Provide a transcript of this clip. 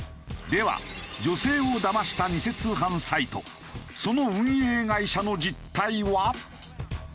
では女性をだました偽通販サイトその運営会社の実態は？